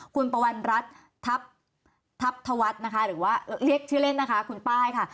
คุณปวัณรัฐทัพธวัฒน์นะคะหรือว่าเรียกชื่อเล่นนะคะคุณป้ายค่ะ